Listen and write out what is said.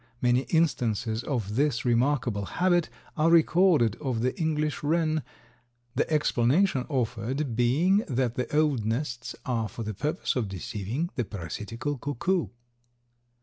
Many instances of this remarkable habit are recorded of the English wren, the explanation offered being that the odd nests are for the purpose of deceiving the parasitical cuckoo.